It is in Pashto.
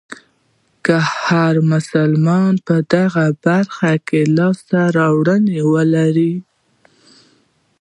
که هر مسلمان په دغه برخه کې لاسته راوړنې ولرلې.